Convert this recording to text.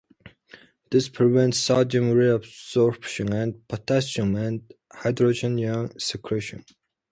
This prevents sodium re-absorption and potassium and hydrogen ion secretion.